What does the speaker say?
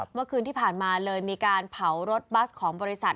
เมื่อคืนที่ผ่านมาเลยมีการเผารถบัสของบริษัท